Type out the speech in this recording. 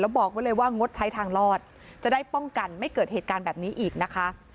บอกไว้เลยว่างดใช้ทางรอดจะได้ป้องกันไม่เกิดเหตุการณ์แบบนี้อีกนะคะ